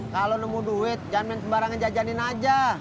kalau nemu duit jangan sembarangan jajanin aja